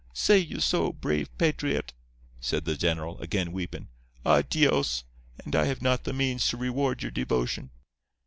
"'Say you so, brave patriot?' said the general, again weepin'. 'Ah, Dios! And I have not the means to reward your devotion.